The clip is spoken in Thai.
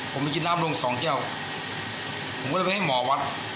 ผมไปกินน้ำลงสองแก้วผมก็เลยไปให้หมอวัด